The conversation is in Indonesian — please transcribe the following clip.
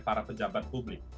para pejabat publik